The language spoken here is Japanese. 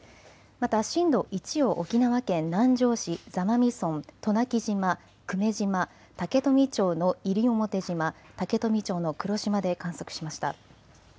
また震度１を沖縄県南城市、座間味村、渡名喜島、久米島竹富町の西表島、竹富町の黒島で観測しました。